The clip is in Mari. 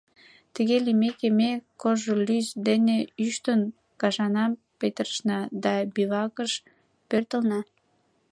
Тыге лиймеке, ме, кож лӱс дене ӱштын, кышанам петырышна да бивакыш пӧртылна.